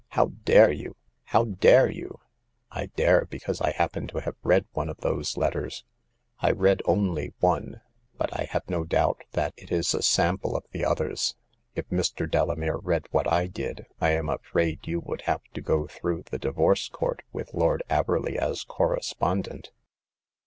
" How dare you ! How dare you !"" I dare, because I happen to have read one of those letters ; I read only one, but I have no doubt that it is a sample of the others. If Mr. Delamere read what I did, I am afraid you would have to go through the Divorce Court with Lord Averley as co respondent."